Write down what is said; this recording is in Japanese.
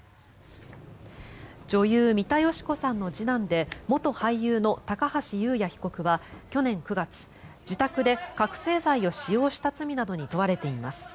女優・三田佳子さんの次男で元俳優の高橋祐也被告は去年９月、自宅で覚醒剤を使用した罪などに問われています。